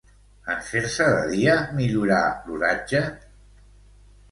En fer-se de dia, millorà l'oratge?